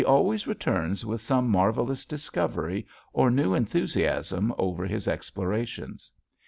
He always returns with some marvelous discovery or new enthusiasm over his explorations.